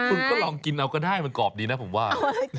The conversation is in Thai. คุณก็ลองกินเอาก็ได้มันกรอบดีนะผมว่า